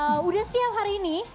wow udah siap hari ini